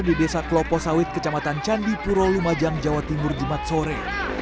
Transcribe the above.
di desa klopo sawit kecamatan candipuro lumajang jawa timur jumat sore